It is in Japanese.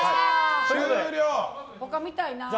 他、見たいな。